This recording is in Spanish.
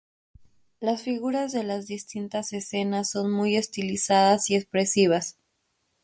Las figuras de las distintas escenas son muy estilizadas y expresivas.